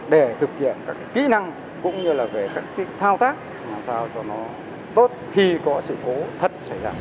để thực hiện các kỹ năng cũng như là về các thao tác làm sao cho nó tốt khi có sự cố thật xảy ra